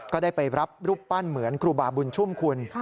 ก็ได้ไปรับรูปปั้นเหมือนครูบาบุญชุ่มคุณ